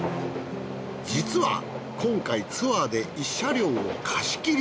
実は今回ツアーで一車両を貸切。